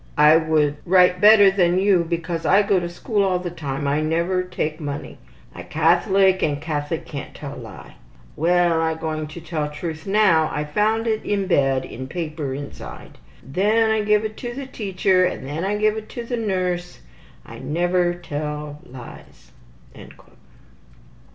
I could write better than you because I go to school all the time. I never take money. I Catholic and Catholic can't tell lie. Well, I going to tell the truth now. I found it in bed, in paper inside. Then I give it to teacher and then I give it to nurse. I never tell lies.''